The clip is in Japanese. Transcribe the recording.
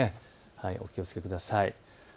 お気をつけください。